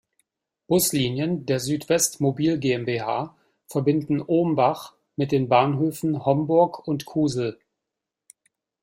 Buslinien der Südwest Mobil GmbH verbinden Ohmbach mit den Bahnhöfen Homburg und Kusel.